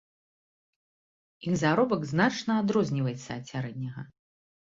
Іх заробак значна адрозніваецца ад сярэдняга.